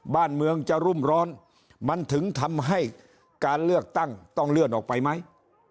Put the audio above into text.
บ้านเมืองจะรุ่มร้อนมันถึงทำให้การเลือกตั้งต้องเลื่อนออกไปไหม